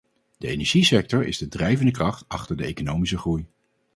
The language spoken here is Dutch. De energiesector is de drijvende kracht achter de economische groei.